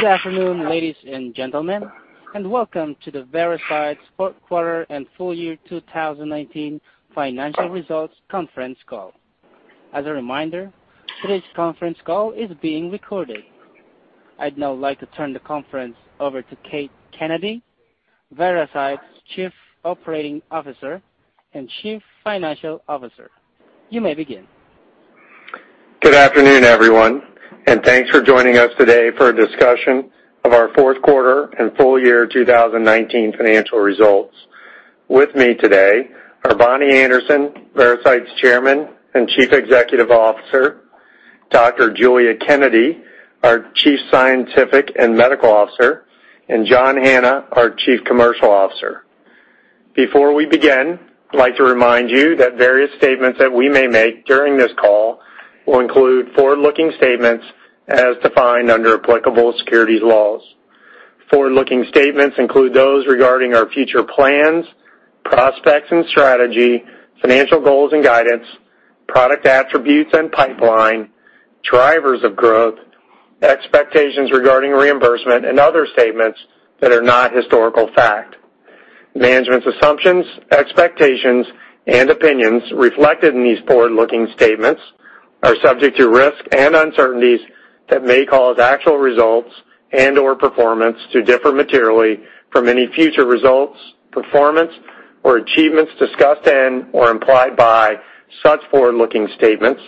Good afternoon, ladies and gentlemen, welcome to Veracyte's fourth quarter and full year 2019 financial results conference call. As a reminder, today's conference call is being recorded. I'd now like to turn the conference over to Keith Kennedy, Veracyte's Chief Operating Officer and Chief Financial Officer. You may begin. Good afternoon, everyone, and thanks for joining us today for a discussion of our fourth quarter and full year 2019 financial results. With me today are Bonnie Anderson, Veracyte's Chairman and Chief Executive Officer, Dr. Giulia Kennedy, our Chief Scientific and Medical Officer, and John Hanna, our Chief Commercial Officer. Before we begin, I'd like to remind you that various statements that we may make during this call will include forward-looking statements as defined under applicable securities laws. Forward-looking statements include those regarding our future plans, prospects and strategy, financial goals and guidance, product attributes and pipeline, drivers of growth, expectations regarding reimbursement, and other statements that are not historical fact. Management's assumptions, expectations, and opinions reflected in these forward-looking statements are subject to risks and uncertainties that may cause actual results and/or performance to differ materially from any future results, performance, or achievements discussed and/or implied by such forward-looking statements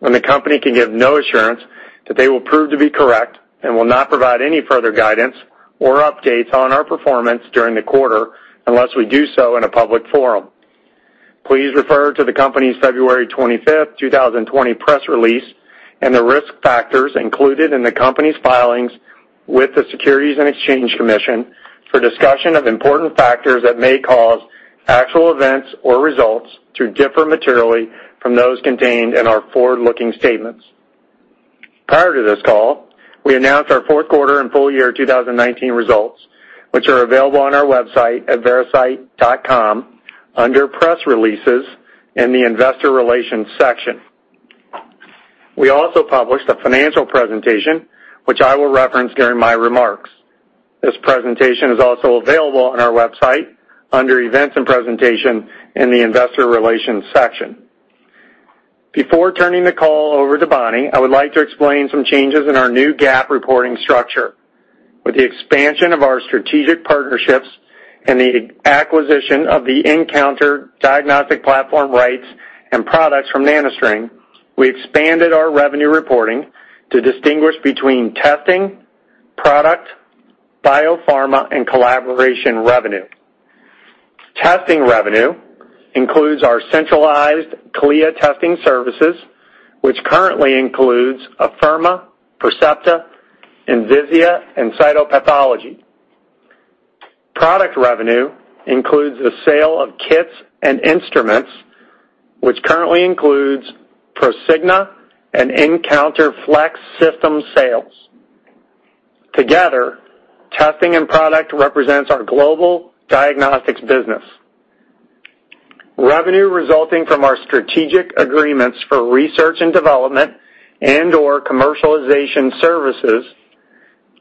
when the company can give no assurance that they will prove to be correct and will not provide any further guidance or updates on our performance during the quarter unless we do so in a public forum. Please refer to the company's February 25th, 2020 press release and the risk factors included in the company's filings with the Securities and Exchange Commission for discussion of important factors that may cause actual events or results to differ materially from those contained in our forward-looking statements. Prior to this call, we announced our fourth quarter and full year 2019 results, which are available on our website at veracyte.com under Press Releases in the Investor Relations section. We also published a financial presentation, which I will reference during my remarks. This presentation is also available on our website under Events and Presentation in the Investor Relations section. Before turning the call over to Bonnie, I would like to explain some changes in our new GAAP reporting structure. With the expansion of our strategic partnerships and the acquisition of the nCounter diagnostic platform rights and products from NanoString, we expanded our revenue reporting to distinguish between testing, product, biopharma, and collaboration revenue. Testing revenue includes our centralized CLIA testing services, which currently includes Afirma, Percepta, Envisia, and Cytopathology. Product revenue includes the sale of kits and instruments, which currently includes Prosigna and nCounter FLEX system sales. Together, testing and product represents our global diagnostics business. Revenue resulting from our strategic agreements for research and development and/or commercialization services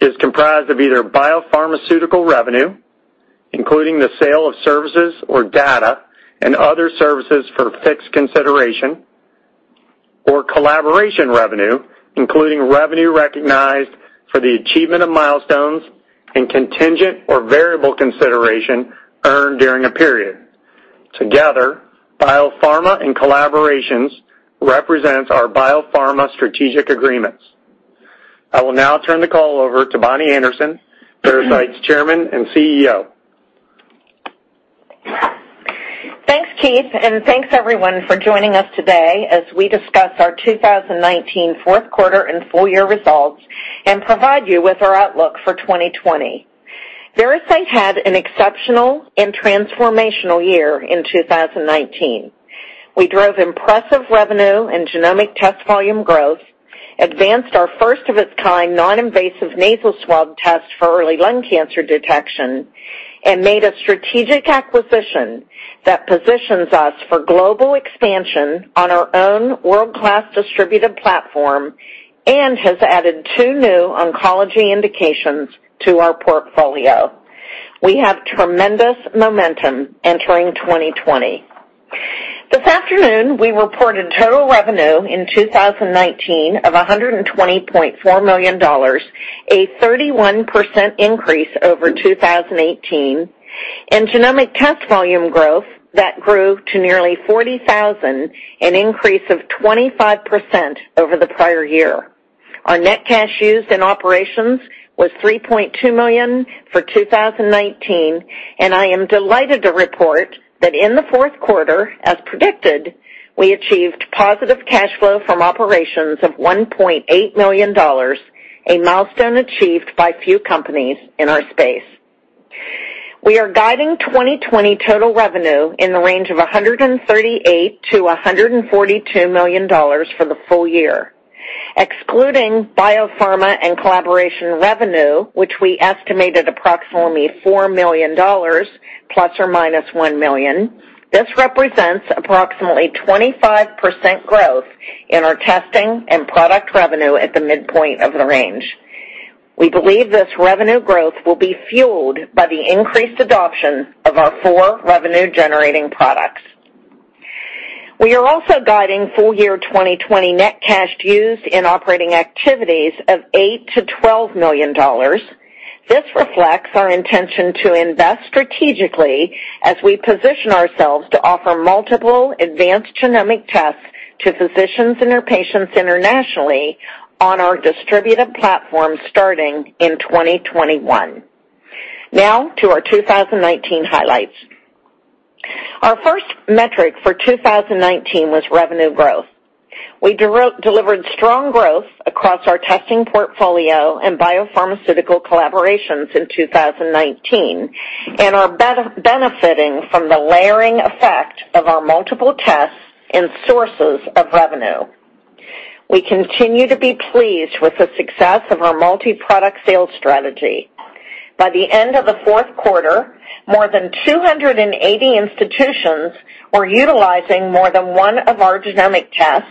is comprised of either biopharmaceutical revenue, including the sale of services or data and other services for fixed consideration, or collaboration revenue, including revenue recognized for the achievement of milestones and contingent or variable consideration earned during a period. Together, biopharma and collaborations represents our biopharma strategic agreements. I will now turn the call over to Bonnie Anderson, Veracyte's Chairman and CEO. Thanks, Keith, and thanks, everyone, for joining us today as we discuss our 2019 fourth quarter and full-year results and provide you with our outlook for 2020. Veracyte had an exceptional and transformational year in 2019. We drove impressive revenue and genomic test volume growth, advanced our first-of-its-kind non-invasive nasal swab test for early lung cancer detection, and made a strategic acquisition that positions us for global expansion on our own world-class distributive platform and has added two new oncology indications to our portfolio. We have tremendous momentum entering 2020. This afternoon, we reported total revenue in 2019 of $120.4 million, a 31% increase over 2018, and genomic test volume growth that grew to nearly 40,000, an increase of 25% over the prior year. Our net cash used in operations was $3.2 million for 2019. I am delighted to report that in the fourth quarter, as predicted, we achieved positive cash flow from operations of $1.8 million, a milestone achieved by few companies in our space. We are guiding 2020 total revenue in the range of $138 million-$142 million for the full year. Excluding biopharma and collaboration revenue, which we estimated approximately $4 million ±$1 million, this represents approximately 25% growth in our testing and product revenue at the midpoint of the range. We believe this revenue growth will be fueled by the increased adoption of our four revenue-generating products. We are also guiding full year 2020 net cash used in operating activities of $8 million-$12 million. This reflects our intention to invest strategically as we position ourselves to offer multiple advanced genomic tests to physicians and their their patients internationally on our distributive platform starting in 2021. Now to our 2019 highlights. Our first metric for 2019 was revenue growth. We delivered strong growth across our testing portfolio and biopharmaceutical collaborations in 2019 and are benefiting from the layering effect of our multiple tests and sources of revenue. We continue to be pleased with the success of our multi-product sales strategy. By the end of the fourth quarter, more than 280 institutions were utilizing more than one of our genomic tests,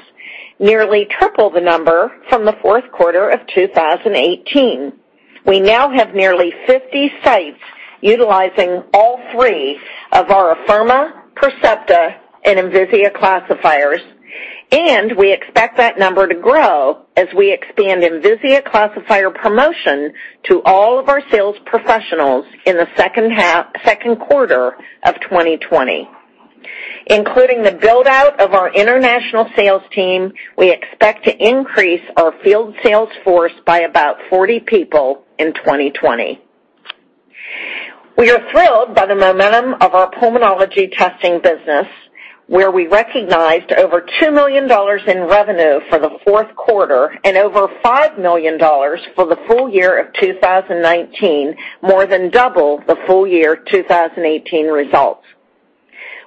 nearly triple the number from the fourth quarter of 2018. We now have nearly 50 sites utilizing all three of our Afirma, Percepta, and Envisia classifiers, and we expect that number to grow as we expand Envisia classifier promotion to all of our sales professionals in the second quarter of 2020. Including the build-out of our international sales team, we expect to increase our field sales force by about 40 people in 2020. We are thrilled by the momentum of our pulmonology testing business, where we recognized over $2 million in revenue for the fourth quarter and over $5 million for the full year of 2019, more than double the full year 2018 results.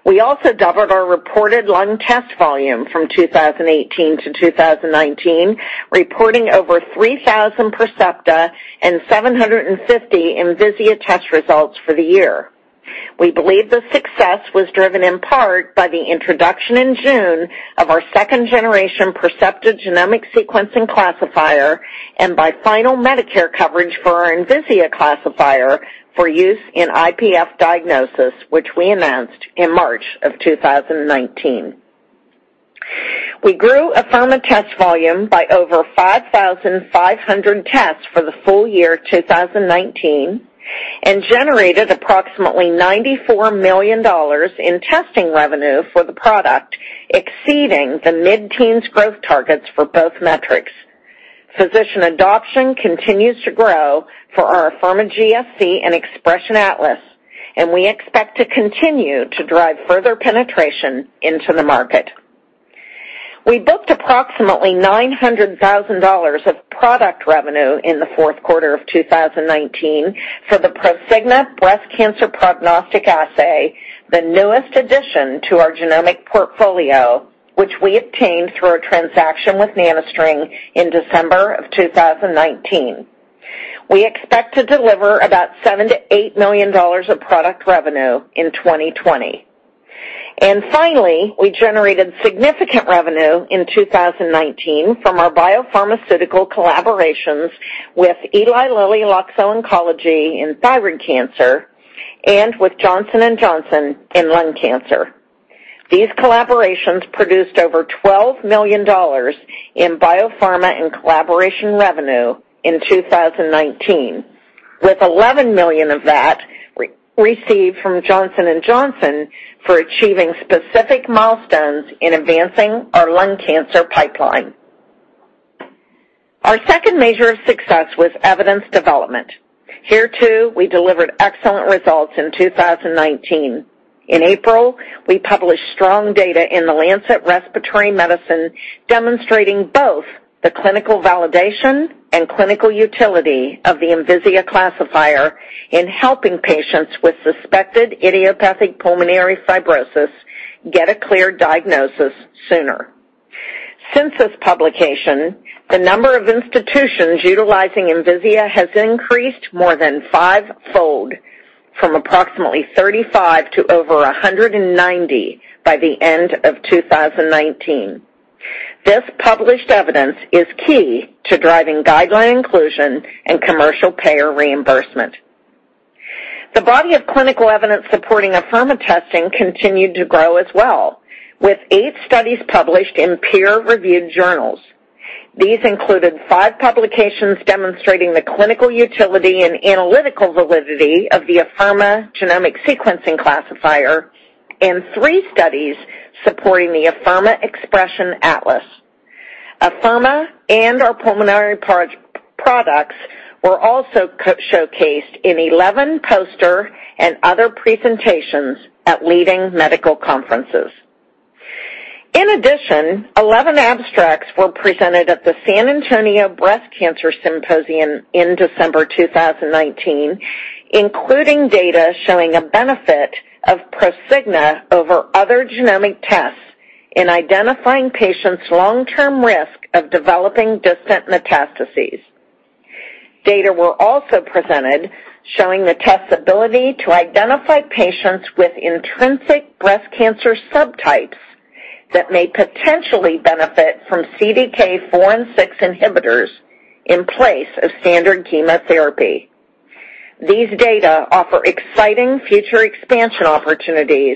We also doubled our reported lung test volume from 2018 to 2019, reporting over 3,000 Percepta and 750 Envisia test results for the year. We believe the success was driven in part by the introduction in June of our second-generation Percepta Genomic Sequencing Classifier and by final Medicare coverage for our Envisia classifier for use in IPF diagnosis, which we announced in March of 2019. We grew Afirma test volume by over 5,500 tests for the full year 2019 and generated approximately $94 million in testing revenue for the product, exceeding the mid-teens growth targets for both metrics. Physician adoption continues to grow for our Afirma GSC and Xpression Atlas, and we expect to continue to drive further penetration into the market. We booked approximately $900,000 of product revenue in the fourth quarter of 2019 for the Prosigna Breast Cancer Prognostic Assay, the newest addition to our genomic portfolio, which we obtained through a transaction with NanoString in December of 2019. We expect to deliver about $7 million-$8 million of product revenue in 2020. Finally, we generated significant revenue in 2019 from our biopharmaceutical collaborations with Eli Lilly, Loxo Oncology in thyroid cancer and with Johnson & Johnson in lung cancer. These collaborations produced over $12 million in biopharma and collaboration revenue in 2019, with $11 million of that received from Johnson & Johnson for achieving specific milestones in advancing our lung cancer pipeline. Our second measure of success was evidence development. Here, too, we delivered excellent results in 2019. In April, we published strong data in The Lancet Respiratory Medicine demonstrating both the clinical validation and clinical utility of the Envisia classifier in helping patients with suspected idiopathic pulmonary fibrosis get a clear diagnosis sooner. Since this publication, the number of institutions utilizing Envisia has increased more than fivefold, from approximately 35 to over 190 by the end of 2019. This published evidence is key to driving guideline inclusion and commercial payer reimbursement. The body of clinical evidence supporting Afirma testing continued to grow as well, with eight studies published in peer-reviewed journals. These included five publications demonstrating the clinical utility and analytical validity of the Afirma Genomic Sequencing Classifier and three studies supporting the Afirma Xpression Atlas. Afirma and our pulmonary products were also showcased in 11 poster and other presentations at leading medical conferences. In addition, 11 abstracts were presented at the San Antonio Breast Cancer Symposium in December 2019, including data showing a benefit of Prosigna over other genomic tests in identifying patients' long-term risk of developing distant metastases. Data were also presented showing the test's ability to identify patients with intrinsic breast cancer subtypes that may potentially benefit from CDK4/6 inhibitors in place of standard chemotherapy. These data offer exciting future expansion opportunities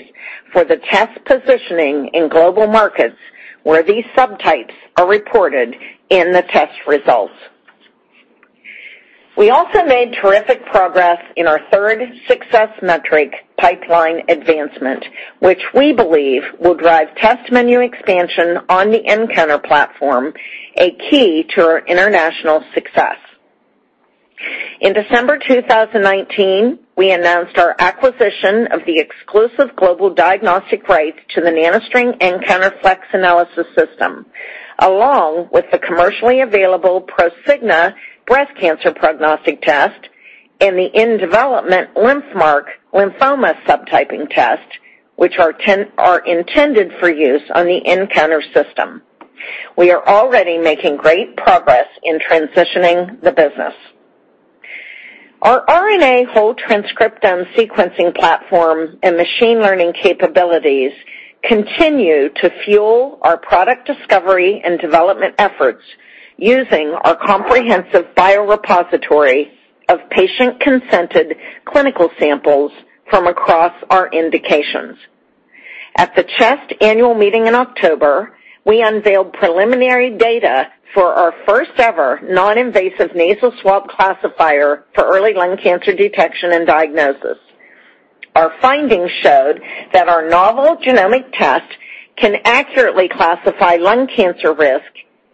for the test positioning in global markets where these subtypes are reported in the test results. We also made terrific progress in our third success metric, pipeline advancement, which we believe will drive test menu expansion on the nCounter platform, a key to our international success. In December 2019, we announced our acquisition of the exclusive global diagnostic rights to the NanoString nCounter FLEX Analysis System, along with the commercially available Prosigna breast cancer prognostic test and the in-development LymphMark lymphoma subtyping test, which are intended for use on the nCounter system. We are already making great progress in transitioning the business. Our RNA whole transcriptome sequencing platform and machine learning capabilities continue to fuel our product discovery and development efforts using our comprehensive biorepository of patient-consented clinical samples from across our indications. At the CHEST Annual Meeting in October, we unveiled preliminary data for our first-ever non-invasive nasal swab classifier for early lung cancer detection and diagnosis. Our findings showed that our novel genomic test can accurately classify lung cancer risk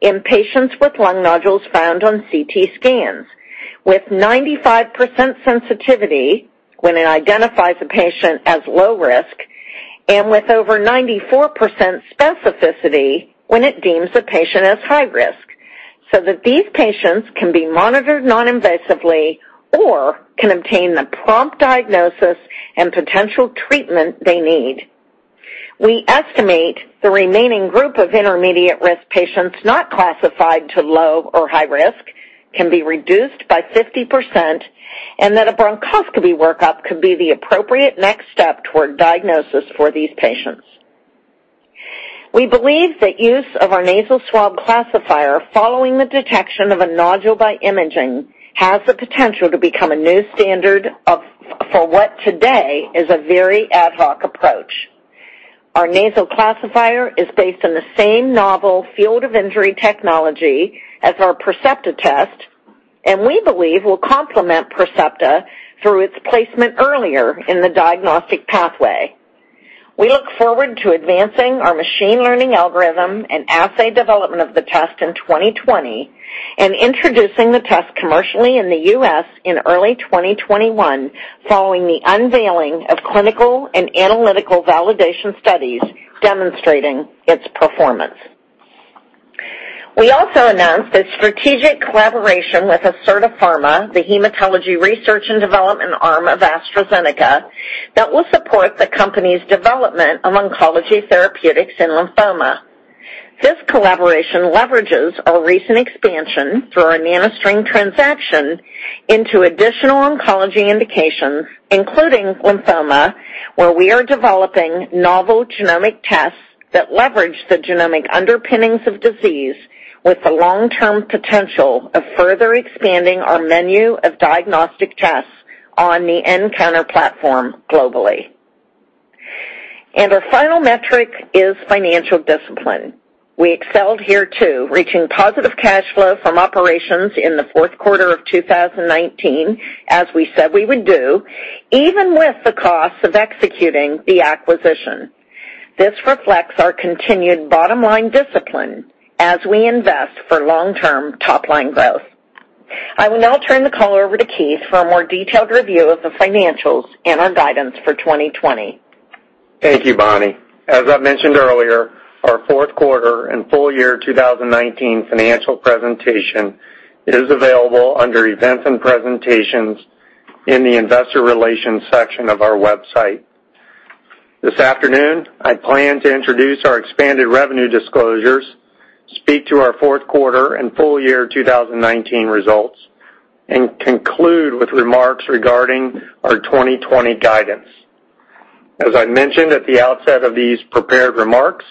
in patients with lung nodules found on CT scans, with 95% sensitivity when it identifies a patient as low risk and with over 94% specificity when it deems a patient as high risk, so that these patients can be monitored non-invasively or can obtain the prompt diagnosis and potential treatment they need. We estimate the remaining group of intermediate-risk patients not classified to low or high risk can be reduced by 50% and that a bronchoscopy workup could be the appropriate next step toward diagnosis for these patients. We believe that use of our nasal swab classifier following the detection of a nodule by imaging has the potential to become a new standard for what today is a very ad hoc approach. Our nasal classifier is based on the same novel field of injury technology as our Percepta test, and we believe will complement Percepta through its placement earlier in the diagnostic pathway. We look forward to advancing our machine learning algorithm and assay development of the test in 2020 and introducing the test commercially in the U.S. in early 2021 following the unveiling of clinical and analytical validation studies demonstrating its performance. We also announced a strategic collaboration with Acerta Pharma, the hematology research and development arm of AstraZeneca, that will support the company's development of oncology therapeutics in lymphoma. This collaboration leverages our recent expansion through our NanoString transaction into additional oncology indications, including lymphoma, where we are developing novel genomic tests that leverage the genomic underpinnings of disease with the long-term potential of further expanding our menu of diagnostic tests on the nCounter platform globally. Our final metric is financial discipline. We excelled here too, reaching positive cash flow from operations in the fourth quarter of 2019, as we said we would do, even with the cost of executing the acquisition. This reflects our continued bottom-line discipline as we invest for long-term top-line growth. I will now turn the call over to Keith for a more detailed review of the financials and our guidance for 2020. Thank you, Bonnie. As I mentioned earlier, our fourth quarter and full year 2019 financial presentation is available under Events and Presentations in the Investor Relations section of our website. This afternoon, I plan to introduce our expanded revenue disclosures, speak to our fourth quarter and full year 2019 results, and conclude with remarks regarding our 2020 guidance. As I mentioned at the outset of these prepared remarks,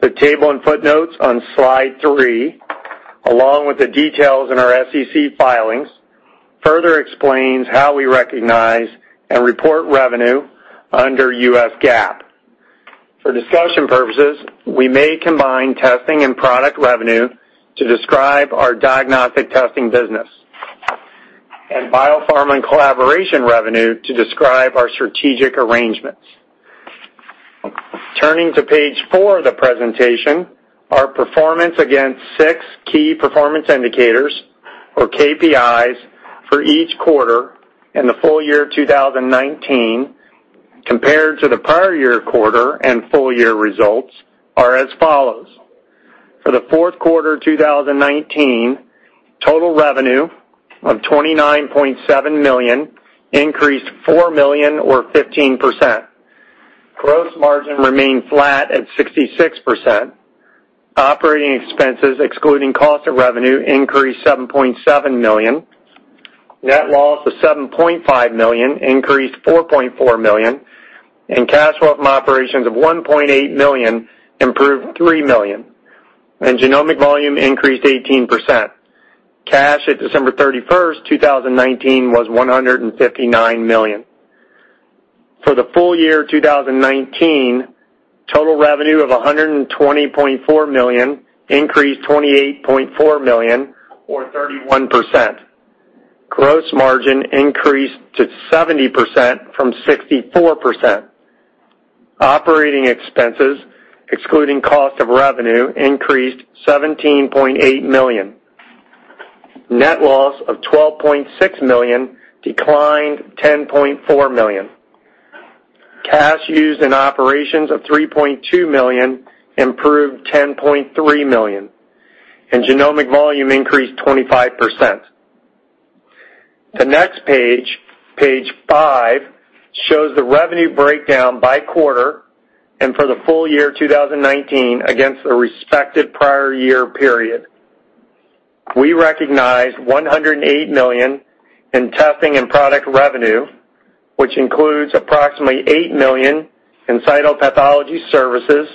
the table and footnotes on slide three, along with the details in our SEC filings, further explains how we recognize and report revenue under U.S. GAAP. For discussion purposes, we may combine testing and product revenue to describe our diagnostic testing business and biopharm and collaboration revenue to describe our strategic arrangements. Turning to page four of the presentation, our performance against six key performance indicators or KPIs for each quarter and the full year 2019 compared to the prior year quarter and full year results are as follows. For the fourth quarter 2019, total revenue of $29.7 million increased $4 million or 15%. Gross margin remained flat at 66%. Operating expenses excluding cost of revenue increased $7.7 million. Net loss of $7.5 million increased $4.4 million. Cash flow from operations of $1.8 million improved $3 million. Genomic volume increased 18%. Cash at December 31st, 2019 was $159 million. For the full year 2019, total revenue of $120.4 million increased $28.4 million or 31%. Gross margin increased to 70% from 64%. Operating expenses, excluding cost of revenue, increased $17.8 million. Net loss of $12.6 million, declined $10.4 million. Cash used in operations of $3.2 million, improved $10.3 million, genomic volume increased 25%. The next page five, shows the revenue breakdown by quarter and for the full year 2019 against the respective prior year period. We recognized $108 million in testing and product revenue, which includes approximately $8 million in cytopathology services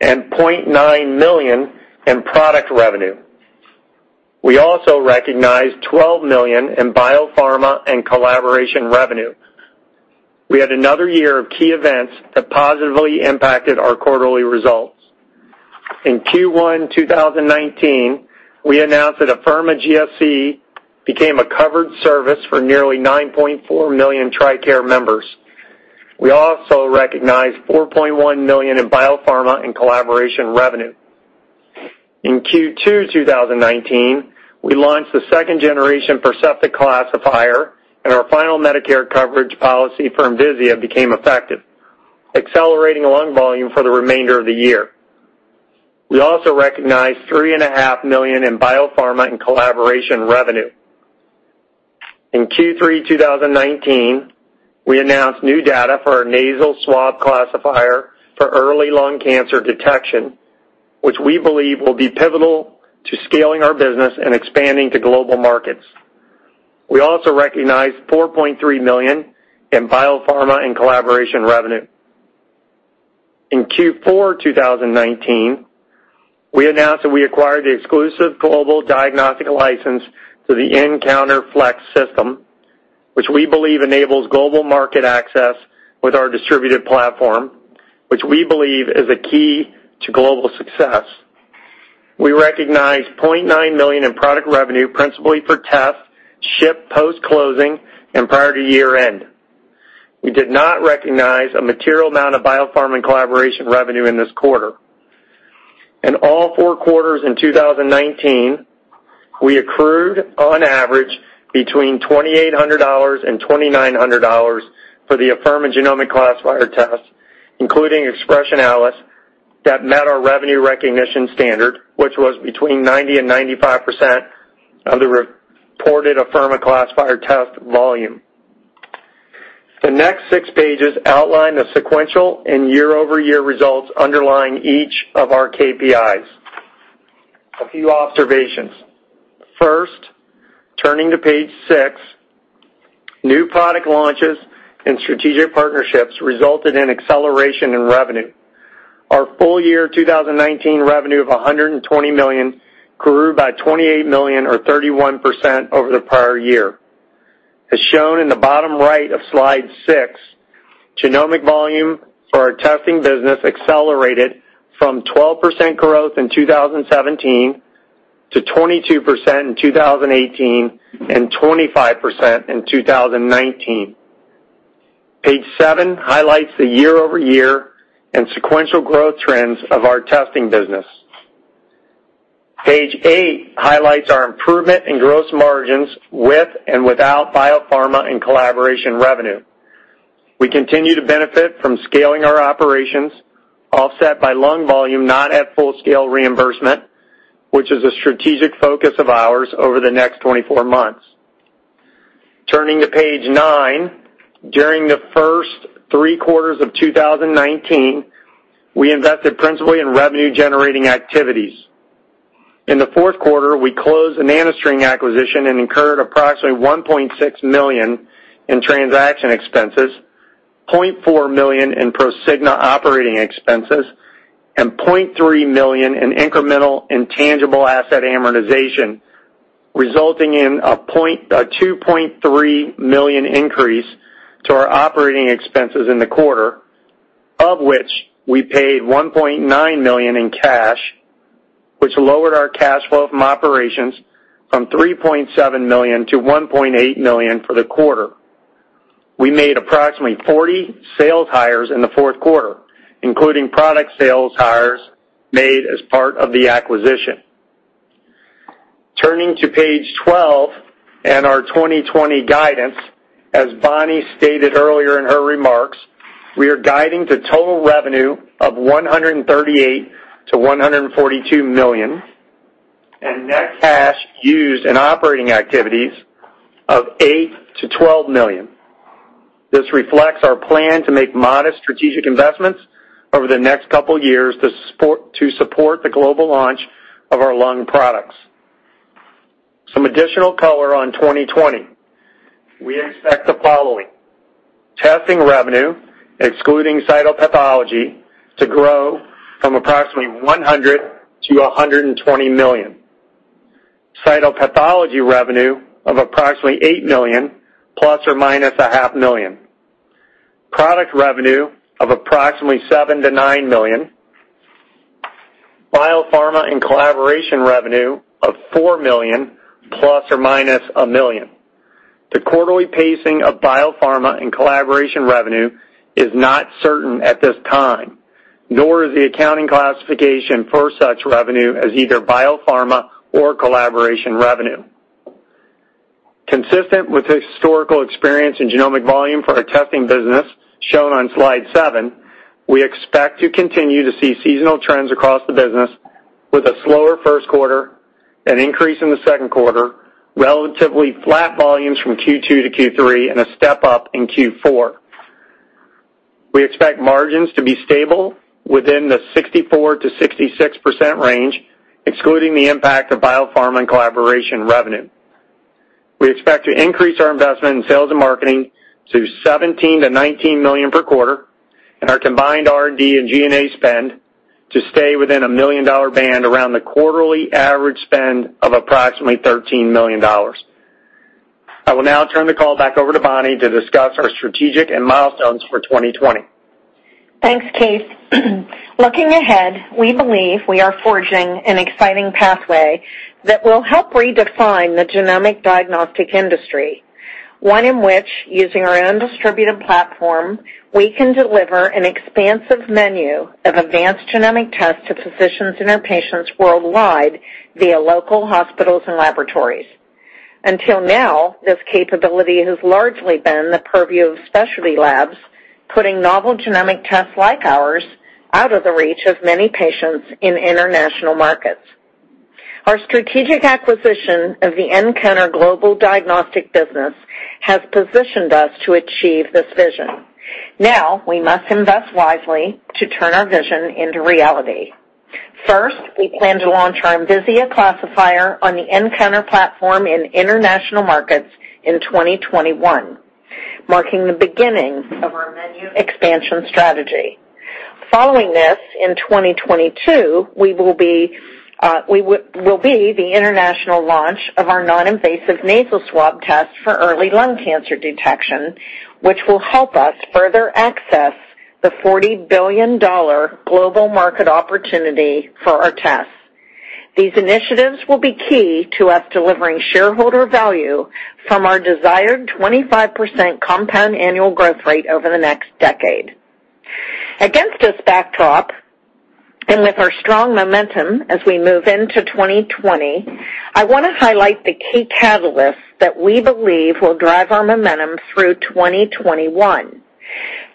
and $0.9 million in product revenue. We also recognized $12 million in biopharma and collaboration revenue. We had another year of key events that positively impacted our quarterly results. In Q1 2019, we announced that Afirma GSC became a covered service for nearly 9.4 million TRICARE members. We also recognized $4.1 million in biopharma and collaboration revenue. In Q2 2019, we launched the second generation Percepta classifier and our final Medicare coverage policy for Envisia became effective, accelerating lung volume for the remainder of the year. We also recognized $3.5 million in biopharma and collaboration revenue. In Q3 2019, we announced new data for our nasal swab classifier for early lung cancer detection, which we believe will be pivotal to scaling our business and expanding to global markets. We also recognized $4.3 million in biopharma and collaboration revenue. In Q4 2019, we announced that we acquired the exclusive global diagnostic license to the nCounter FLEX system, which we believe enables global market access with our distributed platform, which we believe is a key to global success. We recognized $0.9 million in product revenue, principally for tests shipped post-closing and prior to year-end. We did not recognize a material amount of biopharma and collaboration revenue in this quarter. In all four quarters in 2019, we accrued on average between $2,800 and $2,900 for the Afirma Genomic Classifier test, including Xpression Atlas, that met our revenue recognition standard, which was between 90% and 95% of the reported Afirma classifier test volume. The next six pages outline the sequential and year-over-year results underlying each of our KPIs. A few observations. Turning to page six, new product launches and strategic partnerships resulted in acceleration in revenue. Our full year 2019 revenue of $120 million grew by $28 million or 31% over the prior year. As shown in the bottom right of slide six, genomic volume for our testing business accelerated from 12% growth in 2017 to 22% in 2018 and 25% in 2019. Page seven highlights the year-over-year and sequential growth trends of our testing business. Page eight highlights our improvement in gross margins with and without biopharma and collaboration revenue. We continue to benefit from scaling our operations, offset by lung volume not at full scale reimbursement, which is a strategic focus of ours over the next 24 months. Turning to page nine, during the first three quarters of 2019, we invested principally in revenue-generating activities. In the fourth quarter, we closed the NanoString acquisition and incurred approximately $1.6 million in transaction expenses, $0.4 million in Prosigna operating expenses, and $0.3 million in incremental intangible asset amortization, resulting in a $2.3 million increase to our operating expenses in the quarter, of which we paid $1.9 million in cash, which lowered our cash flow from operations from $3.7 million to $1.8 million for the quarter. We made approximately 40 sales hires in the fourth quarter, including product sales hires made as part of the acquisition. Turning to page 12 and our 2020 guidance, as Bonnie stated earlier in her remarks, we are guiding to total revenue of $138 million-$142 million and net cash used in operating activities of $8 million-$12 million. This reflects our plan to make modest strategic investments over the next couple of years to support the global launch of our lung products. Some additional color on 2020. We expect the following. Testing revenue, excluding Cytopathology, to grow from approximately $100 million-$120 million. Cytopathology revenue of approximately $8 million, ±$0.5 million. Product revenue of approximately $7 million-$9 million. Biopharma and collaboration revenue of $4 million, ±$1 million. The quarterly pacing of Biopharma and collaboration revenue is not certain at this time, nor is the accounting classification for such revenue as either biopharma or collaboration revenue. Consistent with historical experience in genomic volume for our testing business, shown on slide seven, we expect to continue to see seasonal trends across the business with a slower first quarter, an increase in the second quarter, relatively flat volumes from Q2-Q3, and a step-up in Q4. We expect margins to be stable within the 64%-66% range, excluding the impact of biopharma and collaboration revenue. We expect to increase our investment in sales and marketing to $17 million-$19 million per quarter, and our combined R&D and G&A spend to stay within a million-dollar band around the quarterly average spend of approximately $13 million. I will now turn the call back over to Bonnie to discuss our strategic and milestones for 2020. Thanks, Keith. Looking ahead, we believe we are forging an exciting pathway that will help redefine the genomic diagnostic industry. One in which, using our own distributive platform, we can deliver an expansive menu of advanced genomic tests to physicians and their patients worldwide via local hospitals and laboratories. Until now, this capability has largely been the purview of specialty labs, putting novel genomic tests like ours out of the reach of many patients in international markets. Our strategic acquisition of the nCounter global diagnostic business has positioned us to achieve this vision. We must invest wisely to turn our vision into reality. First, we plan to launch our Envisia classifier on the nCounter platform in international markets in 2021, marking the beginning of our menu expansion strategy. Following this, in 2022, we will be the international launch of our non-invasive nasal swab test for early lung cancer detection, which will help us further access the $40 billion global market opportunity for our tests. These initiatives will be key to us delivering shareholder value from our desired 25% compound annual growth rate over the next decade. Against this backdrop, with our strong momentum as we move into 2020, I want to highlight the key catalysts that we believe will drive our momentum through 2021.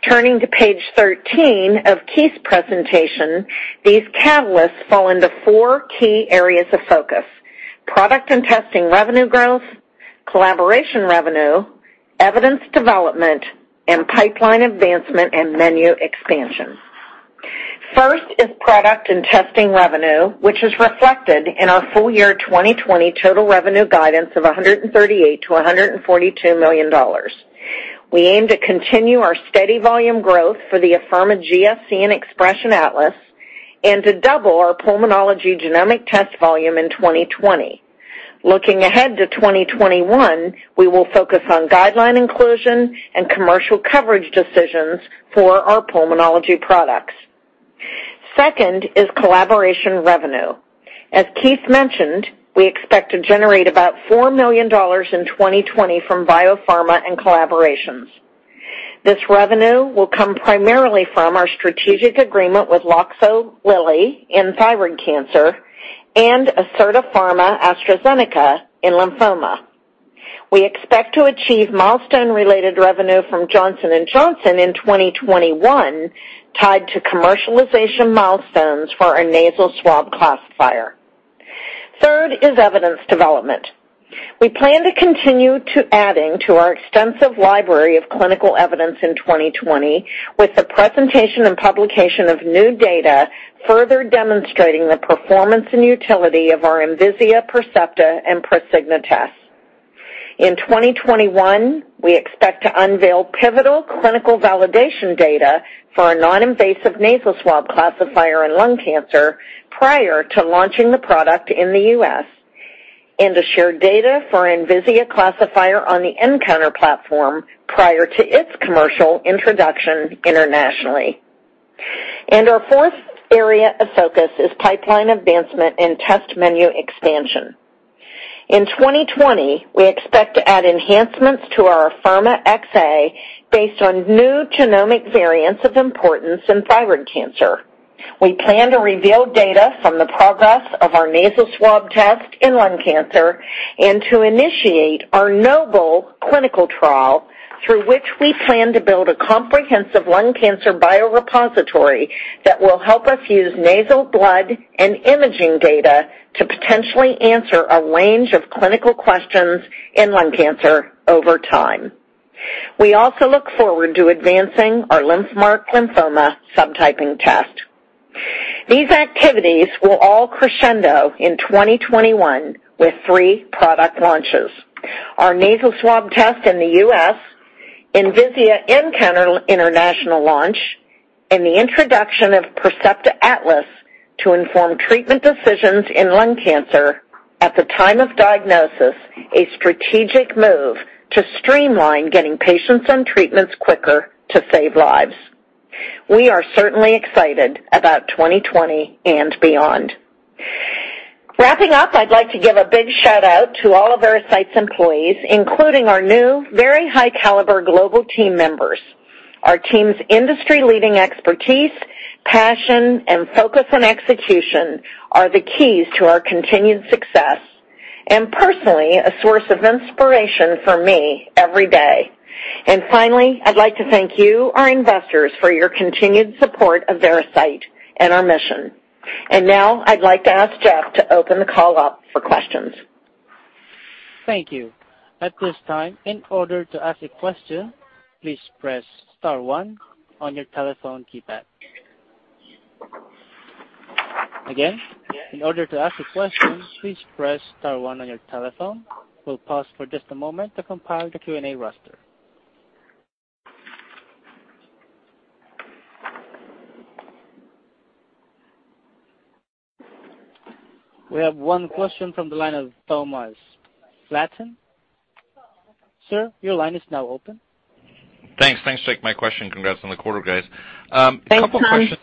Turning to page 13 of Keith's presentation, these catalysts fall into four key areas of focus. Product and testing revenue growth, collaboration revenue, evidence development, and pipeline advancement and menu expansion. First is product and testing revenue, which is reflected in our full year 2020 total revenue guidance of $138 million-$142 million. We aim to continue our steady volume growth for the Afirma GSC andXpression Atlas and to double our pulmonology genomic test volume in 2020. Looking ahead to 2021, we will focus on guideline inclusion and commercial coverage decisions for our pulmonology products. Second is collaboration revenue. As Keith mentioned, we expect to generate about $4 million in 2020 from biopharma and collaborations. This revenue will come primarily from our strategic agreement with Loxo, Lilly in thyroid cancer and Acerta Pharma, AstraZeneca in lymphoma. We expect to achieve milestone-related revenue from Johnson & Johnson in 2021, tied to commercialization milestones for our nasal swab classifier. Third is evidence development. We plan to continue to adding to our extensive library of clinical evidence in 2020 with the presentation and publication of new data further demonstrating the performance and utility of our Envisia, Percepta, and Prosigna tests. In 2021, we expect to unveil pivotal clinical validation data for our non-invasive nasal swab classifier in lung cancer prior to launching the product in the U.S., and to share data for our Envisia classifier on the nCounter platform prior to its commercial introduction internationally. Our fourth area of focus is pipeline advancement and test menu expansion. In 2020, we expect to add enhancements to our Afirma XA based on new genomic variants of importance in thyroid cancer. We plan to reveal data from the progress of our nasal swab test in lung cancer and to initiate our NOBLE clinical trial through which we plan to build a comprehensive lung cancer biorepository that will help us use nasal, blood, and imaging data to potentially answer a range of clinical questions in lung cancer over time. We also look forward to advancing our LymphMark lymphoma subtyping test. These activities will all crescendo in 2021 with three product launches. Our nasal swab test in the U.S., Envisia nCounter international launch, and the introduction of Percepta Atlas to inform treatment decisions in lung cancer at the time of diagnosis, a strategic move to streamline getting patients on treatments quicker to save lives. We are certainly excited about 2020 and beyond. Wrapping up, I'd like to give a big shout-out to all of Veracyte's employees, including our new very high-caliber global team members. Our team's industry-leading expertise, passion, and focus on execution are the keys to our continued success, and personally, a source of inspiration for me every day. Finally, I'd like to thank you, our investors, for your continued support of Veracyte and our mission. Now I'd like to ask Jeff to open the call up for questions. Thank you. At this time, in order to ask a question, please press star one on your telephone keypad. Again, in order to ask a question, please press star one on your telephone. We'll pause for just a moment to compile the Q&A roster. We have one question from the line of Thomas Flaten. Sir, your line is now open. Thanks. Thanks, Jeff. My question, congrats on the quarter, guys. Thanks, Tom. A couple questions.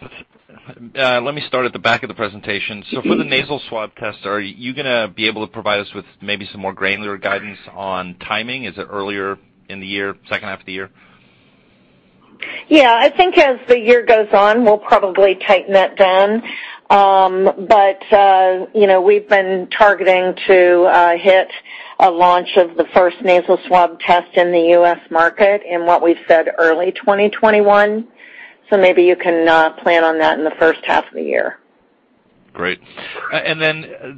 Let me start at the back of the presentation. For the nasal swab test, are you going to be able to provide us with maybe some more granular guidance on timing? Is it earlier in the year, second half of the year? Yeah. I think as the year goes on, we'll probably tighten that down. We've been targeting to hit a launch of the first nasal swab test in the U.S. market in what we've said early 2021. Maybe you can plan on that in the first half of the year. Great.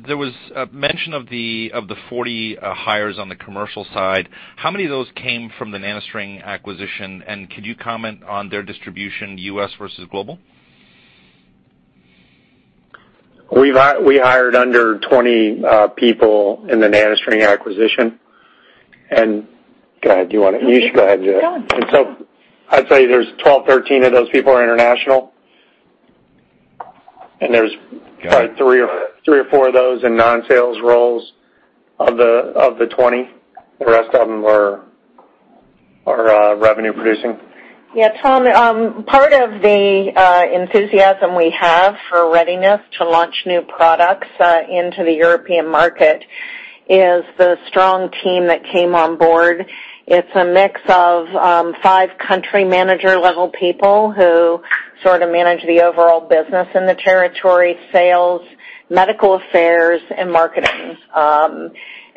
There was mention of the 40 hires on the commercial side. How many of those came from the NanoString acquisition, and could you comment on their distribution, U.S. versus global? We hired under 20 people in the NanoString acquisition, and go ahead. Do you want to? You should go ahead, yeah. Go on, yeah. I'd say there's 12, 13 of those people are international. Got it. Three or four of those in non-sales roles of the 20. The rest of them are revenue producing. Yeah, Tom, part of the enthusiasm we have for readiness to launch new products into the European market is the strong team that came on board. It's a mix of five country manager level people who sort of manage the overall business in the territory, sales, medical affairs, and marketing.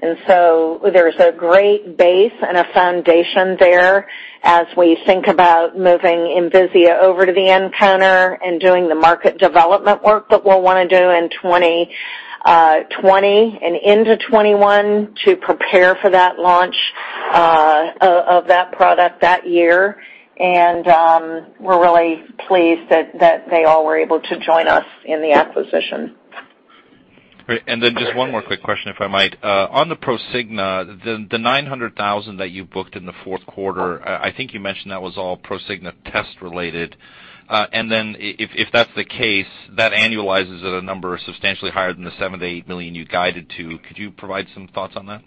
There's a great base and a foundation there as we think about moving Envisia over to the nCounter and doing the market development work that we'll want to do in 2020 and into 2021 to prepare for that launch of that product that year. We're really pleased that they all were able to join us in the acquisition. Great. Just one more quick question, if I might. On the Prosigna, the $900,000 that you booked in the fourth quarter, I think you mentioned that was all Prosigna test related. If that's the case, that annualizes at a number substantially higher than the $7 million-$8 million you guided to. Could you provide some thoughts on that?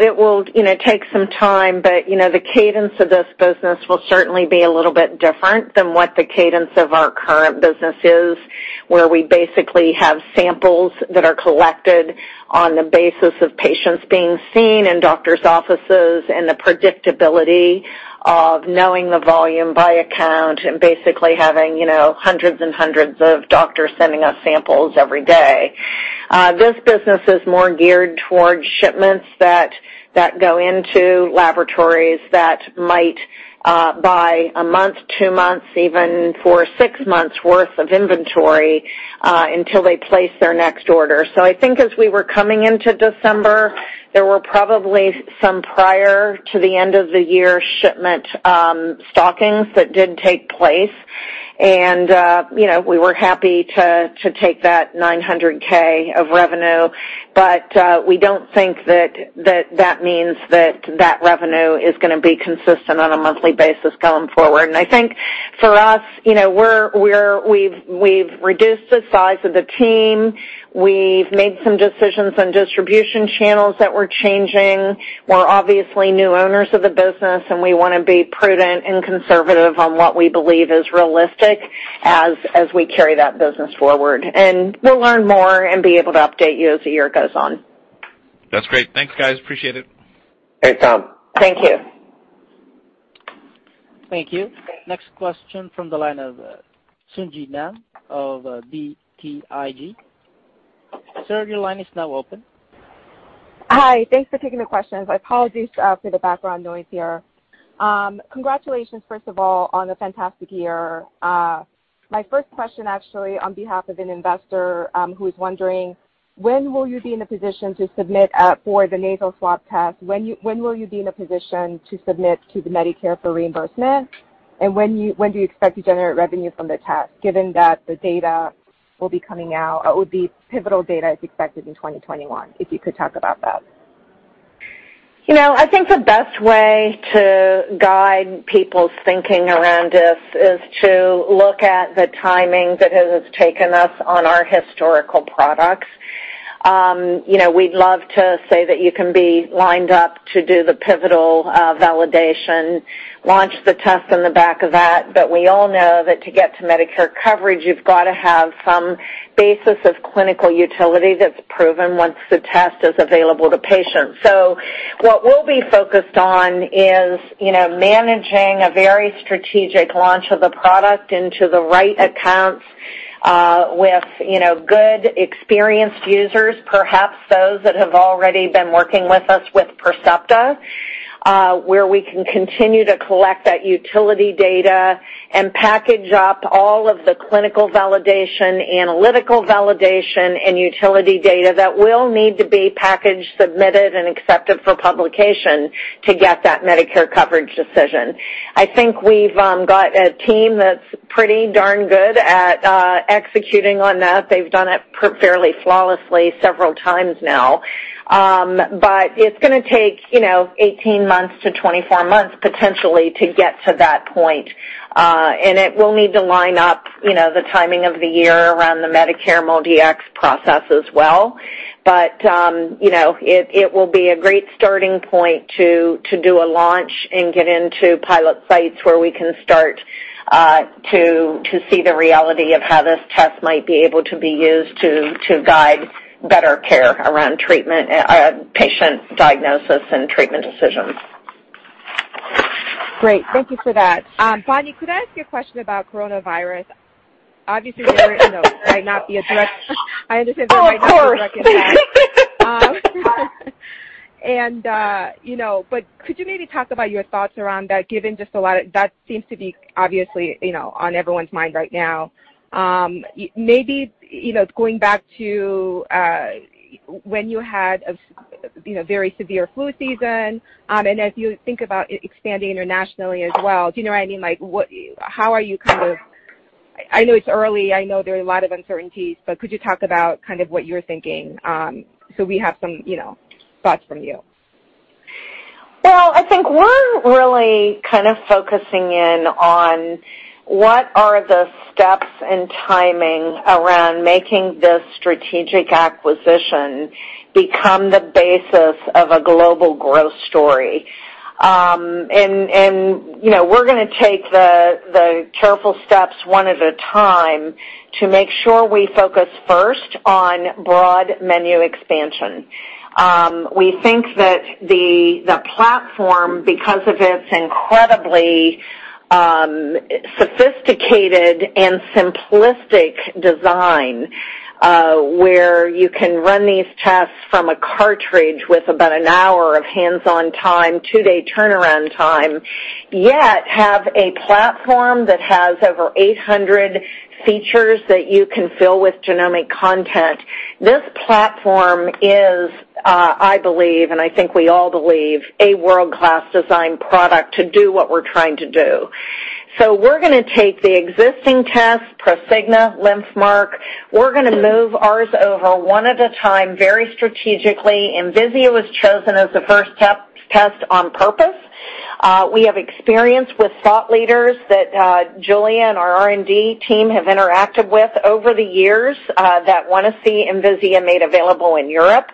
It will take some time, the cadence of this business will certainly be a little bit different than what the cadence of our current business is, where we basically have samples that are collected on the basis of patients being seen in doctor's offices and the predictability of knowing the volume by account and basically having hundreds and hundreds of doctors sending us samples every day. This business is more geared towards shipments that go into laboratories that might buy a month, two months, even for six months worth of inventory, until they place their next order. I think as we were coming into December, there were probably some prior to the end of the year shipment stockings that did take place. We were happy to take that $900,000 of revenue. We don't think that means that revenue is going to be consistent on a monthly basis going forward. I think for us, we've reduced the size of the team. We've made some decisions on distribution channels that we're changing. We're obviously new owners of the business, and we want to be prudent and conservative on what we believe is realistic as we carry that business forward. We'll learn more and be able to update you as the year goes on. That's great. Thanks, guys, appreciate it. Great, Tom. Thank you. Thank you. Next question from the line of Sung Ji Nam of BTIG. Sir, your line is now open. Hi. Thanks for taking the questions. Apologies for the background noise here. Congratulations, first of all, on a fantastic year. My first question, actually, on behalf of an investor, who is wondering when will you be in a position to submit for the nasal swab test? When will you be in a position to submit to the Medicare for reimbursement? When do you expect to generate revenue from the test, given that the data will be coming out, or the pivotal data is expected in 2021, if you could talk about that. I think the best way to guide people's thinking around this is to look at the timing that it has taken us on our historical products. We'd love to say that you can be lined up to do the pivotal validation, launch the test on the back of that, but we all know that to get to Medicare coverage, you've got to have some basis of clinical utility that's proven once the test is available to patients. What we'll be focused on is managing a very strategic launch of the product into the right accounts, with good, experienced users, perhaps those that have already been working with us with Percepta, where we can continue to collect that utility data and package up all of the clinical validation, analytical validation, and utility data that will need to be packaged, submitted, and accepted for publication to get that Medicare coverage decision. I think we've got a team that's pretty darn good at executing on that. They've done it fairly flawlessly several times now. It's going to take 18 months-24 months, potentially, to get to that point. It will need to line up the timing of the year around the Medicare MolDX process as well. It will be a great starting point to do a launch and get into pilot sites where we can start to see the reality of how this test might be able to be used to guide better care around patient diagnosis and treatment decisions. Great. Thank you for that. Bonnie, could I ask you a question about coronavirus? Oh, of course. Could you maybe talk about your thoughts around that, given just a lot of that seems to be obviously on everyone's mind right now. Maybe, going back to when you had a very severe flu season, and as you think about expanding internationally as well, do you know what I mean? I know it's early, I know there are a lot of uncertainties, but could you talk about what you're thinking, so we have some thoughts from you? Well, I think we're really kind of focusing in on what are the steps and timing around making this strategic acquisition become the basis of a global growth story. We're going to take the careful steps one at a time to make sure we focus first on broad menu expansion. We think that the platform, because of its incredibly sophisticated and simplistic design, where you can run these tests from a cartridge with about an hour of hands-on time, two-day turnaround time, yet have a platform that has over 800 features that you can fill with genomic content. This platform is, I believe, and I think we all believe, a world-class design product to do what we're trying to do. We're going to take the existing tests, Prosigna, LymphMark. We're going to move ours over one at a time, very strategically. Envisia was chosen as the first test on purpose. We have experience with thought leaders that Giulia and our R&D team have interacted with over the years, that want to see Envisia made available in Europe,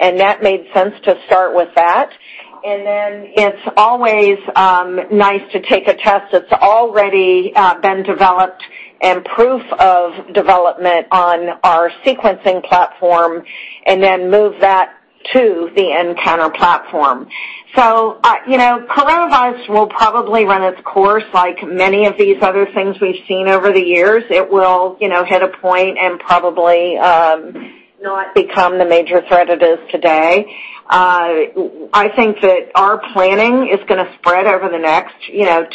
that made sense to start with that. It's always nice to take a test that's already been developed and proof of development on our sequencing platform, then move that to the nCounter platform. Coronavirus will probably run its course like many of these other things we've seen over the years. It will hit a point and probably not become the major threat it is today. I think that our planning is going to spread over the next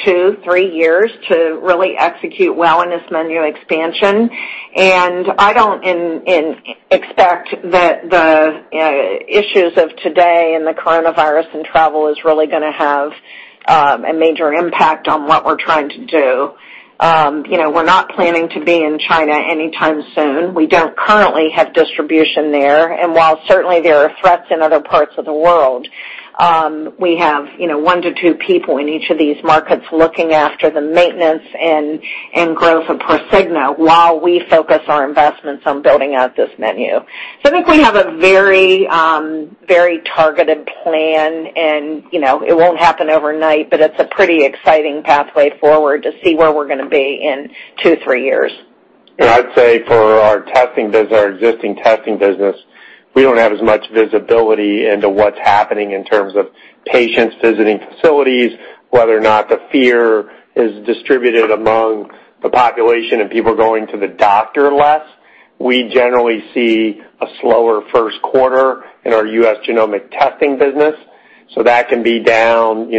two, three years to really execute well in this menu expansion. I don't expect that the issues of today and the coronavirus and travel is really going to have a major impact on what we're trying to do. We're not planning to be in China anytime soon. We don't currently have distribution there. While certainly there are threats in other parts of the world, we have one to two people in each of these markets looking after the maintenance and growth of Prosigna while we focus our investments on building out this menu. I think we have a very targeted plan and it won't happen overnight, but it's a pretty exciting pathway forward to see where we're going to be in two, three years. I'd say for our existing testing business, we don't have as much visibility into what's happening in terms of patients visiting facilities, whether or not the fear is distributed among the population and people are going to the doctor less. We generally see a slower first quarter in our U.S. genomic testing business. That can be down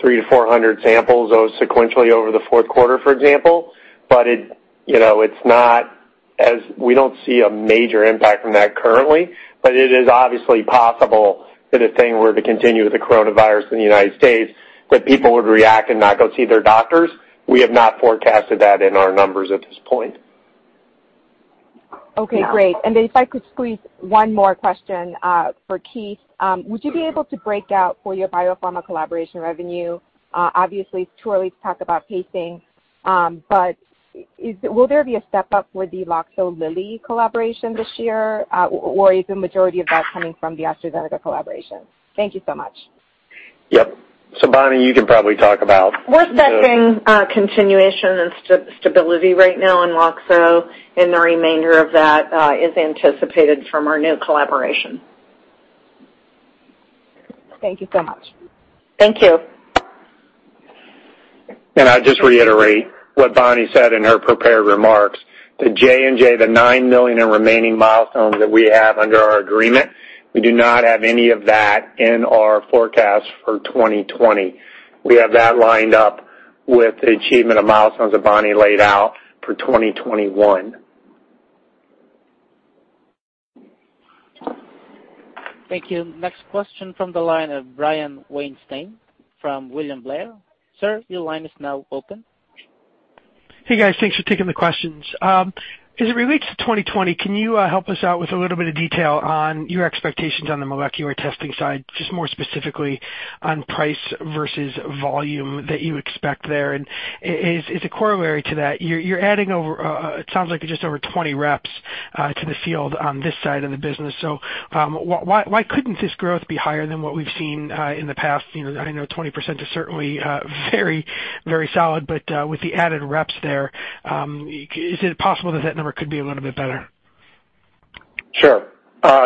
300-400 samples sequentially over the fourth quarter, for example. We don't see a major impact from that currently, but it is obviously possible that if things were to continue with the coronavirus in the United States, that people would react and not go see their doctors. We have not forecasted that in our numbers at this point. Okay, great. If I could squeeze one more question for Keith. Would you be able to break out for your biopharma collaboration revenue? Obviously, it's too early to talk about pacing, will there be a step up with the Loxo, Lilly collaboration this year? Is the majority of that coming from the AstraZeneca collaboration? Thank you so much. Yep. Bonnie, you can probably talk about the- We're expecting continuation and stability right now in Loxo, and the remainder of that is anticipated from our new collaboration. Thank you so much. Thank you. I just reiterate what Bonnie said in her prepared remarks. The J&J, the $9 million in remaining milestones that we have under our agreement, we do not have any of that in our forecast for 2020. We have that lined up with the achievement of milestones that Bonnie laid out for 2021. Thank you. Next question from the line of Brian Weinstein from William Blair. Sir, your line is now open. Hey, guys. Thanks for taking the questions. As it relates to 2020, can you help us out with a little bit of detail on your expectations on the molecular testing side, just more specifically on price versus volume that you expect there? As a corollary to that, you're adding, it sounds like just over 20 reps to the field on this side of the business. Why couldn't this growth be higher than what we've seen in the past? I know 20% is certainly very solid, but with the added reps there, is it possible that that number could be a little bit better? Sure.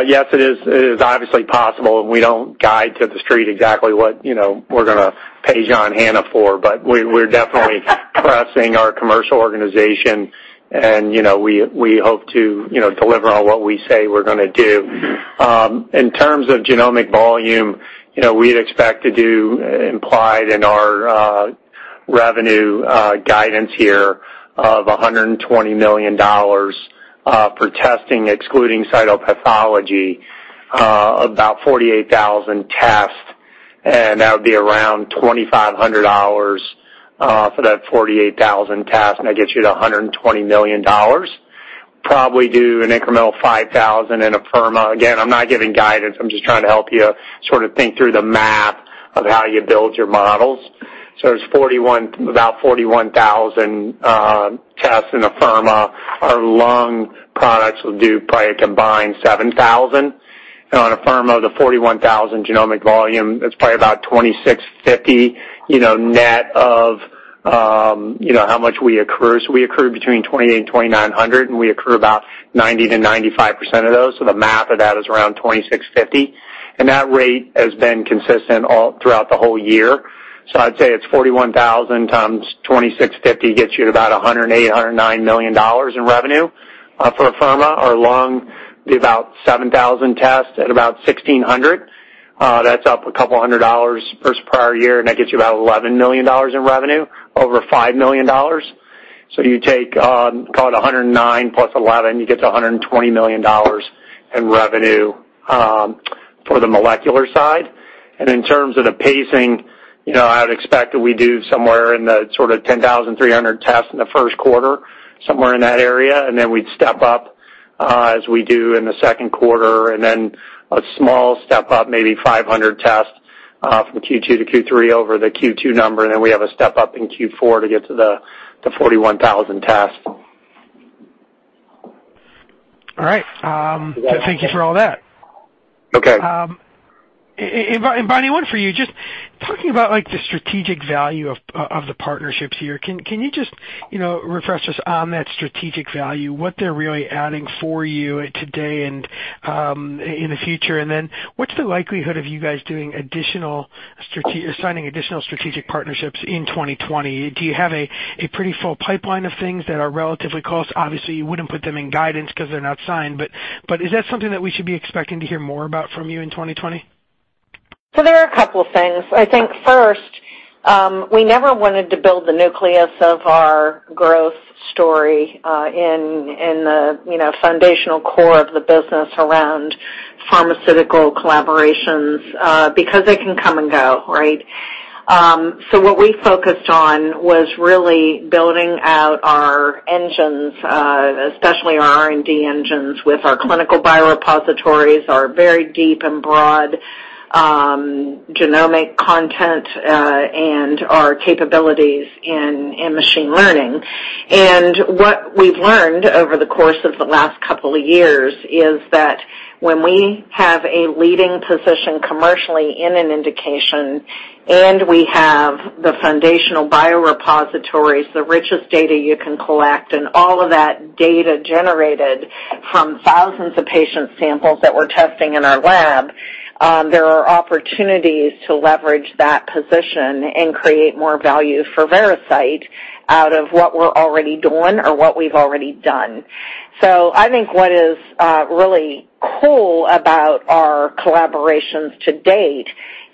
Yes, it is obviously possible. We don't guide to the street exactly what we're going to pay John Hanna for. We're definitely pressing our commercial organization. We hope to deliver on what we say we're going to do. In terms of genomic volume, we'd expect to do, implied in our revenue guidance here of $120 million for testing, excluding Cytopathology, about 48,000 tests. That would be around $2,500 for that 48,000 tests. That gets you to $120 million. Probably do an incremental $5,000 in Afirma. Again, I'm not giving guidance, I'm just trying to help you think through the math of how you build your models. There's about 41,000 tests in Afirma. Our lung products will do probably a combined $7,000. On Afirma, the 41,000 genomic volume, it's probably about $2,650 net of how much we accrue. We accrue between $2,800 and $2,900, and we accrue about 90%-95% of those. The math of that is around $2,650. That rate has been consistent throughout the whole year. I'd say it's 41,000 x $2,650 gets you to about $108 million, $109 million in revenue for Afirma. Our lung, be about 7,000 tests at about $1,600. That's up a couple hundred dollars versus prior year, and that gets you to about $11 million in revenue, over $5 million. You take, call it $109 million plus $11 million, you get to $120 million in revenue for the molecular side. In terms of the pacing, I would expect that we do somewhere in the sort of 10,300 tests in the first quarter, somewhere in that area, and then we'd step up as we do in the second quarter, and then a small step-up, maybe 500 tests, from Q2-Q3 over the Q2 number. We have a step-up in Q4 to get to the 41,000 tests. All right. Thank you for all that. Okay. Bonnie, one for you. Just talking about the strategic value of the partnerships here, can you just refresh us on that strategic value, what they're really adding for you today and in the future? What's the likelihood of you guys doing additional strategic or signing additional strategic partnerships in 2020? Do you have a pretty full pipeline of things that are relatively close? Obviously, you wouldn't put them in guidance because they're not signed, but is that something that we should be expecting to hear more about from you in 2020? There are a couple things. I think first, we never wanted to build the nucleus of our growth story in the foundational core of the business around pharmaceutical collaborations, because they can come and go, right? What we focused on was really building out our engines, especially our R&D engines with our clinical biorepositories, our very deep and broad genomic content, and our capabilities in machine learning. What we've learned over the course of the last couple of years is that when we have a leading position commercially in an indication, and we have the foundational biorepositories, the richest data you can collect, and all of that data generated from thousands of patient samples that we're testing in our lab, there are opportunities to leverage that position and create more value for Veracyte out of what we're already doing or what we've already done. I think what is really cool about our collaborations to date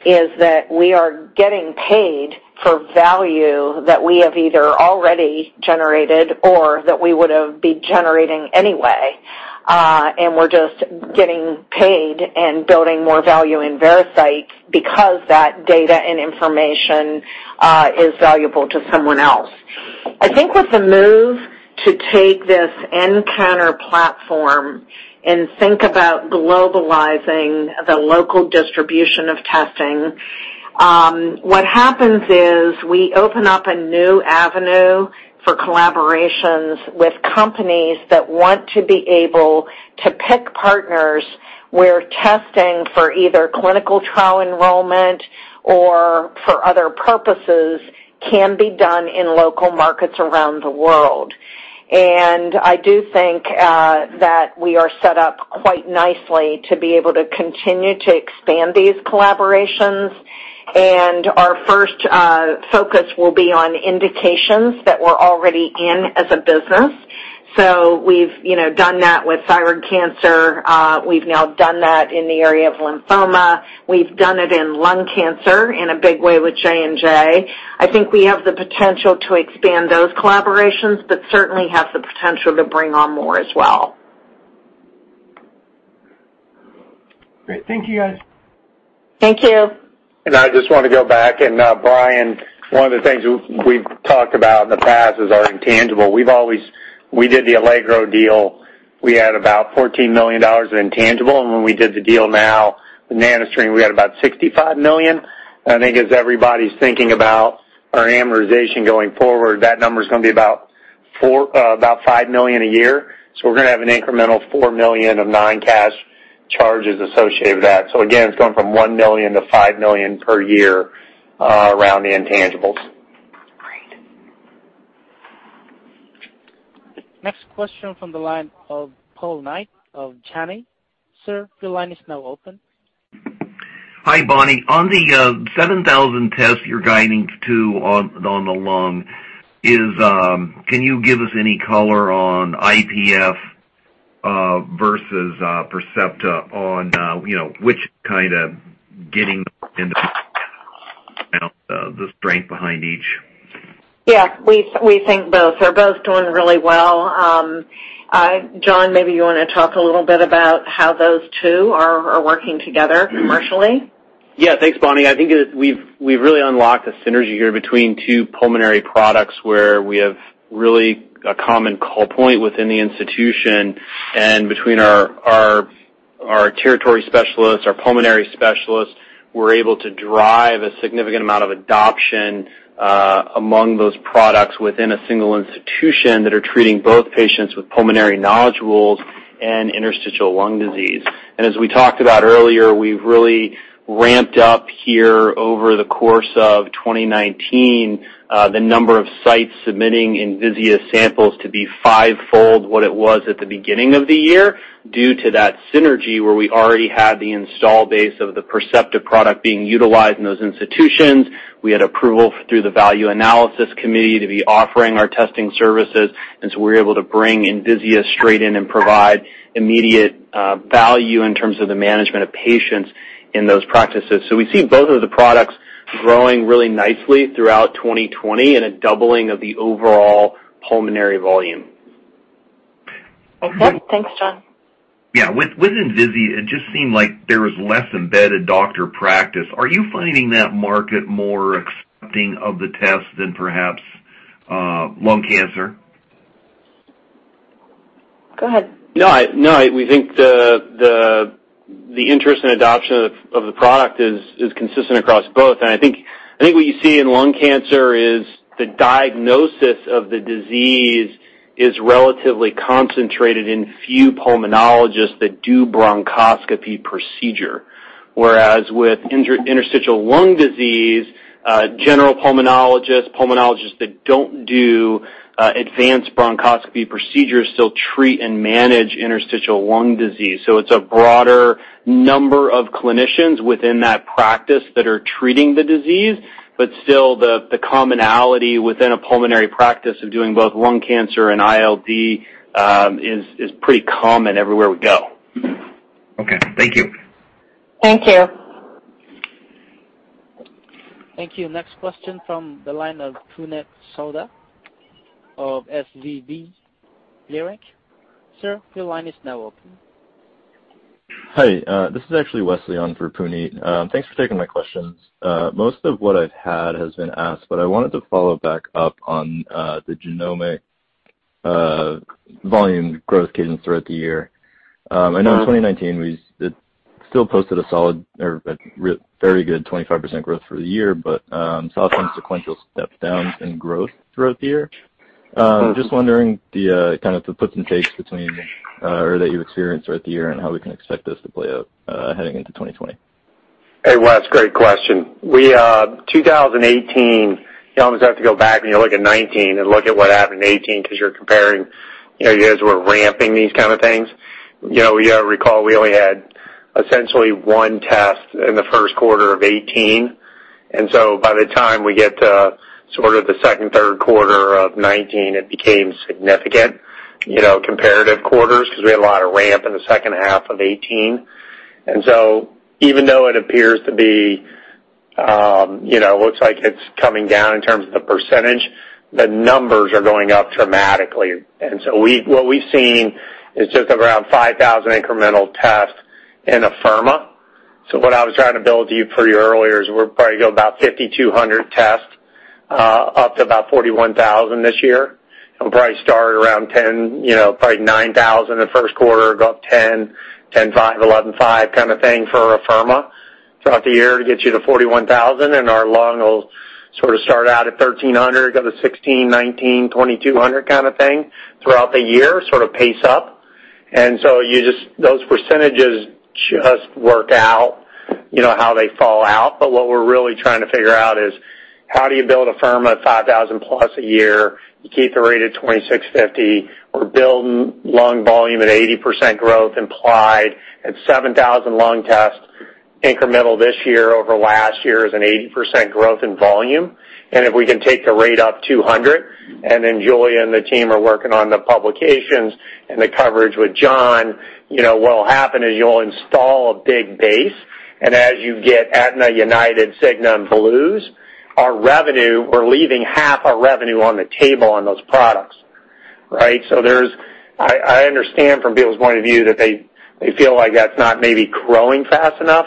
is that we are getting paid for value that we have either already generated or that we would have been generating anyway, and we're just getting paid and building more value in Veracyte because that data and information is valuable to someone else. I think with the move to take this nCounter platform and think about globalizing the local distribution of testing, what happens is we open up a new avenue for collaborations with companies that want to be able to pick partners where testing for either clinical trial enrollment or for other purposes can be done in local markets around the world. I do think that we are set up quite nicely to be able to continue to expand these collaborations. Our first focus will be on indications that we're already in as a business. We've done that with thyroid cancer. We've now done that in the area of lymphoma. We've done it in lung cancer in a big way with J&J. I think we have the potential to expand those collaborations, but certainly have the potential to bring on more as well. Great. Thank you, guys. Thank you. I just want to go back and, Brian, one of the things we've talked about in the past is our intangible. We did the Allegro deal, we had about $14 million in intangible. When we did the deal now, the NanoString, we had about $65 million. I think as everybody's thinking about our amortization going forward, that number's going to be about $5 million a year. We're going to have an incremental $4 million of non-cash charges associated with that. Again, it's going from $1 million-$5 million per year around the intangibles. Next question from the line of Paul Knight of Janney. Sir, your line is now open. Hi, Bonnie. On the 7,000 tests you're guiding to on the lung, can you give us any color on IPF versus Percepta on which kind of getting into the strength behind each? Yeah. We think both. They're both doing really well. John, maybe you want to talk a little bit about how those two are working together commercially. Thanks, Bonnie. I think we've really unlocked a synergy here between two pulmonary products where we have really a common call point within the institution and between our territory specialists, our pulmonary specialists. We're able to drive a significant amount of adoption among those products within a single institution that are treating both patients with pulmonary nodules and interstitial lung disease. As we talked about earlier, we've really ramped up here over the course of 2019, the number of sites submitting Envisia samples to be fivefold what it was at the beginning of the year, due to that synergy where we already had the install base of the Percepta product being utilized in those institutions. We had approval through the value analysis committee to be offering our testing services. We were able to bring Envisia straight in and provide immediate value in terms of the management of patients in those practices. We see both of the products growing really nicely throughout 2020 and a doubling of the overall pulmonary volume. Okay. Thanks, John. Yeah. With Envisia, it just seemed like there was less embedded doctor practice. Are you finding that market more accepting of the test than perhaps lung cancer? Go ahead. No. We think the interest and adoption of the product is consistent across both. I think what you see in lung cancer is the diagnosis of the disease is relatively concentrated in few pulmonologists that do bronchoscopy procedure. Whereas with interstitial lung disease, general pulmonologists that don't do advanced bronchoscopy procedures still treat and manage interstitial lung disease. It's a broader number of clinicians within that practice that are treating the disease. Still, the commonality within a pulmonary practice of doing both lung cancer and ILD is pretty common everywhere we go. Okay. Thank you. Thank you. Thank you. Next question from the line of Puneet Souda of SVB Leerink. Sir, your line is now open. Hi, this is actually Wesley on for Puneet. Thanks for taking my questions. Most of what I've had has been asked, but I wanted to follow back up on the genomic volume growth cadence throughout the year. I know in 2019, it still posted a solid or a very good 25% growth for the year, but saw some sequential step downs in growth throughout the year. Just wondering the kind of the puts and takes between or that you experienced throughout the year and how we can expect this to play out heading into 2020. Hey, Wesley. Great question. 2018, you almost have to go back and you look at 2019 and look at what happened in 2018 because you're comparing, you guys were ramping these kind of things. You recall we only had essentially one test in the first quarter of 2018, and so by the time we get to sort of the second, third quarter of 2019, it became significant, comparative quarters, because we had a lot of ramp in the second half of 2018. Even though it appears to be, looks like it's coming down in terms of the percentage, the numbers are going up dramatically. What we've seen is just around 5,000 incremental tests in Afirma. What I was trying to build to you pretty earlier is we'll probably go about 5,200 tests up to about 41,000 tests this year. We'll probably start around 10%, probably 9,000 tests the first quarter, go up 10.5%, 11.5% kind of thing for Afirma throughout the year to get you to 41,000 tests. Our lung will sort of start out at 1,300 tests, go to 1600, 1900, 2,200 tests kind of thing throughout the year, sort of pace up. Those percentages just work out, how they fall out. What we're really trying to figure out is how do you build Afirma at 5,000+ tests a year? You keep the rate at $2,650. We're building lung volume at 80% growth implied at 7,000 lung tests incremental this year over last year is an 80% growth in volume. If we can take the rate up 200, Giulia and the team are working on the publications and the coverage with John, what will happen is you'll install a big base, as you get Aetna, United, Cigna, and Blues, our revenue, we're leaving half our revenue on the table on those products. Right? I understand from people's point of view that they feel like that's not maybe growing fast enough,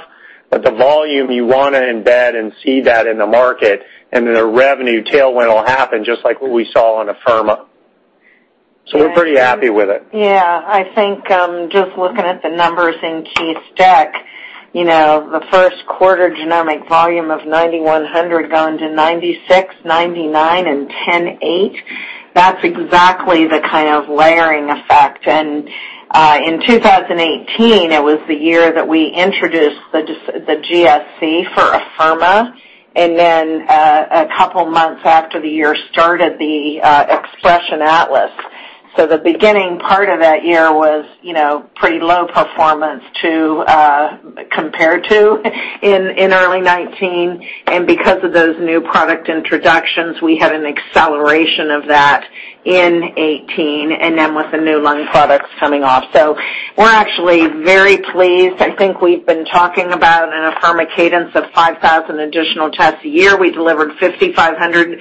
but the volume you want to embed and see that in the market, a revenue tailwind will happen, just like what we saw on Afirma. We're pretty happy with it. I think just looking at the numbers in Keith's deck, the first quarter genomic volume of 9,100 gone to 9,600, 9,900 and 10,800, that's exactly the kind of layering effect. In 2018, it was the year that we introduced the GSC for Afirma, and then a couple of months after the year started, the Xpression Atlas. The beginning part of that year was pretty low performance compared to in early 2019. Because of those new product introductions, we had an acceleration of that in 2018, and then with the new lung products coming off. We're actually very pleased. I think we've been talking about an Afirma cadence of 5,000 additional tests a year. We delivered 5,500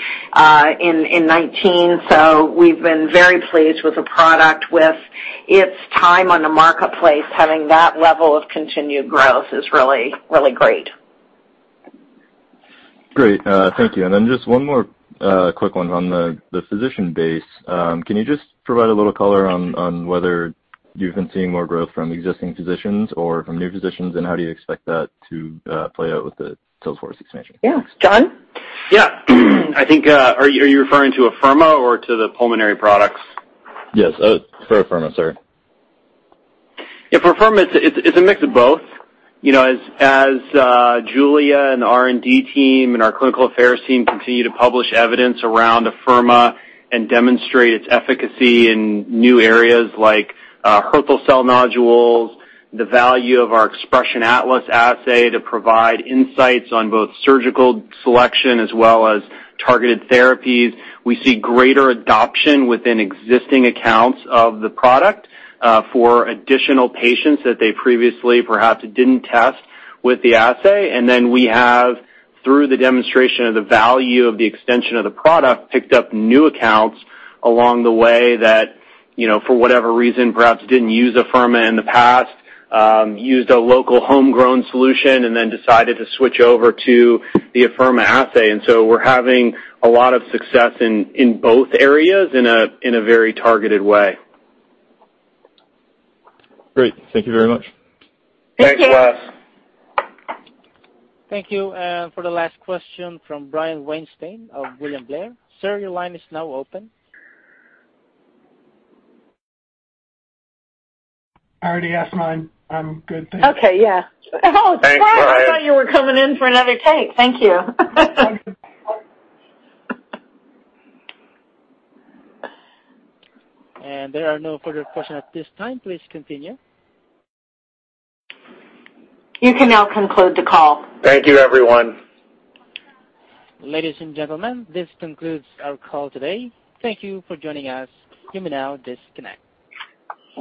in 2019. We've been very pleased with the product, with its time on the marketplace, having that level of continued growth is really, really great. Great. Thank you. Then just one more quick one on the physician base. Can you just provide a little color on whether you've been seeing more growth from existing physicians or from new physicians, and how do you expect that to play out with the sales force expansion? Yeah. John? Yeah. Are you referring to Afirma or to the pulmonary products? Yes, for Afirma, sorry. Yeah, for Afirma, it's a mix of both. As Giulia and the R&D team and our clinical affairs team continue to publish evidence around Afirma and demonstrate its efficacy in new areas like Hürthle cell nodules, the value of our Xpression Atlas assay to provide insights on both surgical selection as well as targeted therapies, we see greater adoption within existing accounts of the product for additional patients that they previously perhaps didn't test with the assay. Then we have, through the demonstration of the value of the extension of the product, picked up new accounts along the way that, for whatever reason, perhaps didn't use Afirma in the past, used a local homegrown solution, and then decided to switch over to the Afirma assay. So we're having a lot of success in both areas in a very targeted way. Great. Thank you very much. Thank you. Thanks, Wesley. Thank you. For the last question from Brian Weinstein of William Blair. Sir, your line is now open. I already asked mine. I'm good. Thank you. Okay, yeah. Thanks, Brian. Oh, Brian, I thought you were coming in for another take. Thank you. There are no further questions at this time. Please continue. You can now conclude the call. Thank you, everyone. Ladies and gentlemen, this concludes our call today. Thank you for joining us. You may now disconnect.